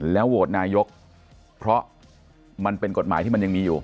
โหวตนายกเพราะมันเป็นกฎหมายที่มันยังมีอยู่